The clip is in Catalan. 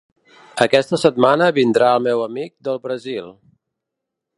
Aquesta setmana vindrà el meu amic del Brasil.